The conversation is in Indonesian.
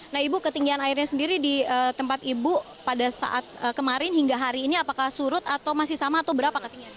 nah ibu ketinggian airnya sendiri di tempat ibu pada saat kemarin hingga hari ini apakah surut atau masih sama atau berapa ketinggian